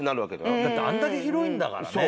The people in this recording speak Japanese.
だってあんだけ広いんだからね。